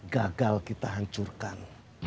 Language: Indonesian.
gagal kita hancurkan